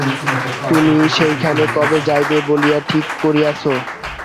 তুমি সেইখানে কবে যাইবে বলিয়া ঠিক করিয়াছো?